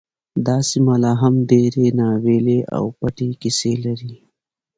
دا سیمه لا هم ډیرې ناوییلې او پټې کیسې لري